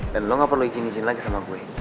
dan lo gak perlu izin izin lagi sama gue